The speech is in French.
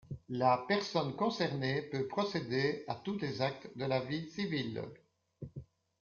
La personne concernée peut procéder à tous les actes de la vie civile.